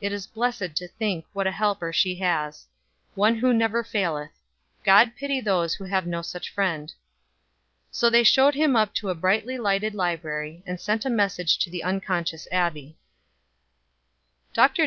It is blessed to think what a Helper she has. One who never faileth. God pity those who have no such friend." So they showed him up to the brightly lighted library, and sent a message to the unconscious Abbie. "Dr.